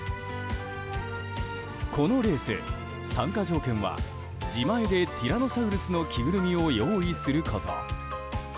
このレース、参加条件は自前でティラノサウルスの着ぐるみを用意すること。